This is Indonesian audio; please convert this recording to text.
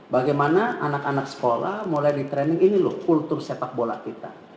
bagaimana anak anak sekolah mulai di training ini loh kultur sepak bola kita